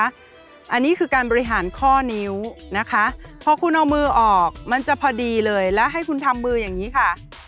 อันนี้คือการบริหารข้อนิ้วนะคะพอคุณเอามือออกมันจะพอดีเลยแล้วให้คุณทำมืออย่างนี้ค่ะ